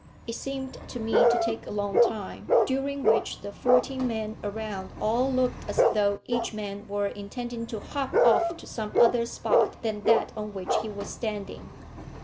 It seemed to me to take a long time, during which the fourteen men around all looked as though each man were intending to hop off to some other spot than that on which he was standing.